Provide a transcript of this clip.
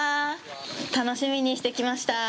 楽しみにして来ました。